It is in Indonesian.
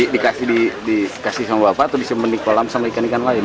dikasih sama bapak atau disempenik kolam sama ikan ikan lain